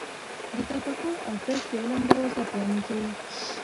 د تفکر ارزښت د علم دروازه پرانیزي.